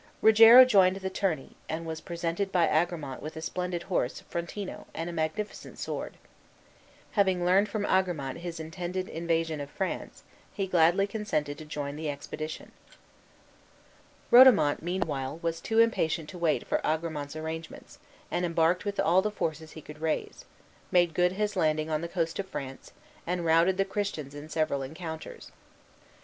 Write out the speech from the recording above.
Rogero joined the tourney, and was presented by Agramant with a splendid horse, Frontino, and a magnificent sword. Having learned from Agramant his intended invasion of France, he gladly consented to join the expedition. Rodomont, meanwhile, was too impatient to wait for Agramant's arrangements, and embarked with all the forces he could raise, made good his landing on the coast of France, and routed the Christians in several encounters.